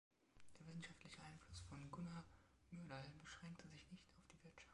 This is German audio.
Der wissenschaftliche Einfluss von Gunnar Myrdal beschränkte sich nicht auf die Wirtschaft.